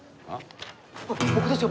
僕ですよ